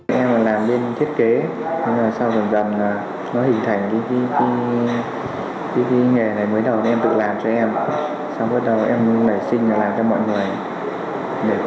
em làm bên thiết kế sau gần gần nó hình thành cái nghề này